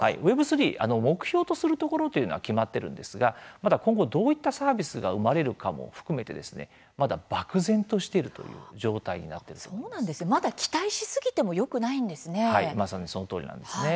Ｗｅｂ３、目標とするところというのは決まっているんですがまだ今後、どういったサービスが生まれるかも含めてまだ、漠然としているというまだ、期待しすぎてもよくないんですね。